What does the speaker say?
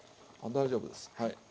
大丈夫ですはい。